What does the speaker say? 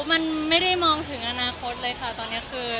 มันไม่ได้มองถึงอนาคตเลยค่ะตอนนี้คือ